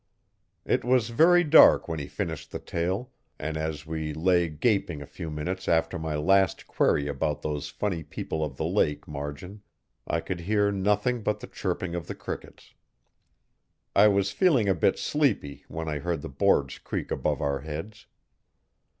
It was very dark when he finished the tale an' as we lay gaping a few minutes after my last query about those funny people of the lake margin I could hear nothing but the chirping of the crickets. I was feeling a bit sleepy when I heard the boards creak above our heads.